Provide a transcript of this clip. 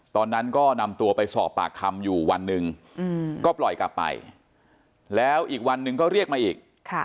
ตอนนั้นก็นำตัวไปสอบปากคำอยู่วันหนึ่งก็ปล่อยกลับไปแล้วอีกวันหนึ่งก็เรียกมาอีก